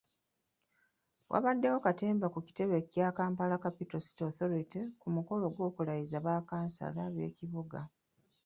Wabaddewo katemba ku kitebe kya Kampala Capital City Authority ku mukolo gw’okulayiza bakkansala b’ekibuga.